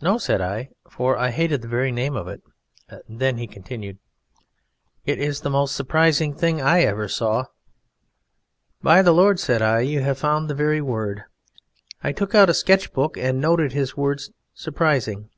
"No," said I; for I hated the very name of it. Then he continued: "It is the most surprising thing I ever saw." "By the Lord," said I, "'you have found the very word!" I took out a sketch book and noted his word "surprising."